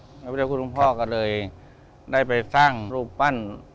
พระเจ้าพระคุณลุงพ่อก็เลยได้ไปสร้างรูปปั้น